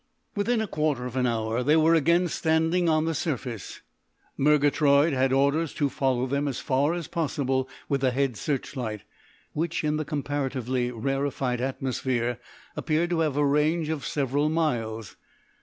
Within a quarter of an hour they were again standing on the surface. Murgatroyd had orders to follow them as far as possible with the head searchlight, which, in the comparatively rarefied atmosphere, appeared to have a range of several miles.